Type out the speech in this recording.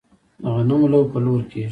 د غنمو لو په لور کیږي.